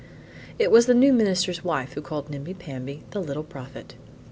It was the new minister's wife who called Nimbi Pamby the Little Prophet.